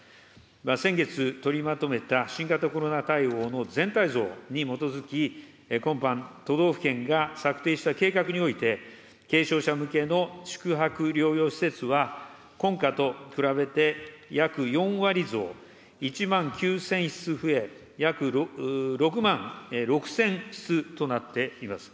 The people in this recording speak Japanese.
先月取りまとめた新型コロナ対応の全体像に基づき、今般、都道府県が策定した計画において、軽症者向けの宿泊療養施設は、今夏と比べて約４割増、１万９０００室増え、約６万６０００室となっています。